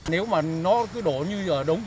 nếu mà nó cứ đổ như vậy đúng chứ